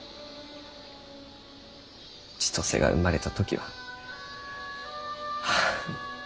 千歳が生まれた時ははあ